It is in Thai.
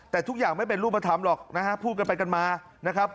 แต่ทุกอย่างไม่เป็นรูปธรรมหรอกนะฮะพูดกันไปกันมานะครับ